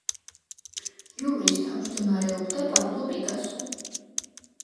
ჟიურის თავჯდომარეობდა პაბლო პიკასო.